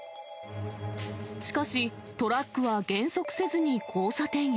しかし、トラックは減速せずに交差点へ。